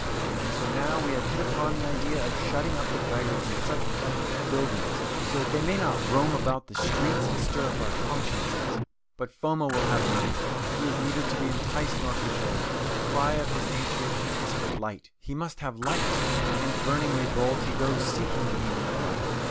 And so now we have hit upon the idea of shutting up the beggars in such special buildings, so that they may not roam about the streets and stir up our consciences." But Foma will have none of it. He is neither to be enticed nor cajoled. The cry of his nature is for light. He must have light. And in burning revolt he goes seeking the meaning of life.